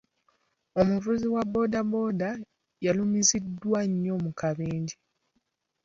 Omuvuzi wa bood booda yalumiziddwa nnyo mu kabenje.